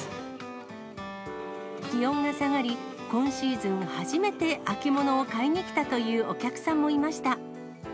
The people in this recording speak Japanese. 気温が下がり、今シーズン初めて秋物を買いに来たというお客さんもいました。